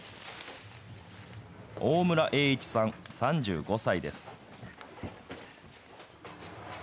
大村詠一さん３５歳です。